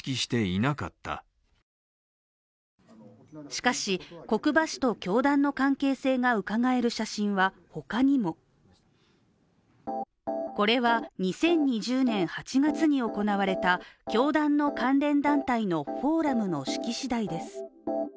しかし、國場氏と教団の関係性がうかがえる写真はほかにもこれは２０２０年８月に行われた教団の関連団体のフォーラムの式次第です。